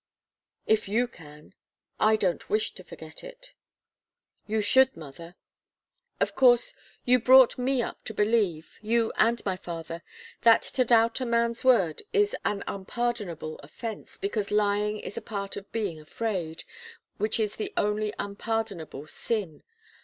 "If you can. I don't wish to forget it." "You should, mother. Of course, you brought me up to believe you and my father that to doubt a man's word is an unpardonable offence, because lying is a part of being afraid, which is the only unpardonable sin.